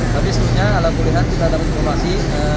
tapi sebenarnya ala kuliah kita dapat informasi